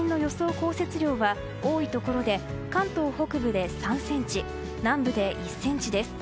降雪量は多いところで関東北部で３ｃｍ南部で１ｃｍです。